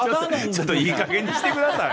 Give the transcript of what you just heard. ちょっといいかげんにしてください。